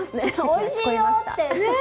おいしいよって。